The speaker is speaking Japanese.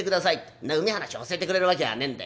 そんなうめえ話教えてくれるわきゃあねえんだ